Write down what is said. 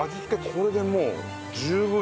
これでもう十分よね。